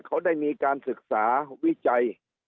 เขาได้มีการศึกษาวิจัย